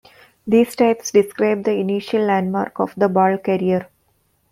These types describe the initial landmark of the ball carrier.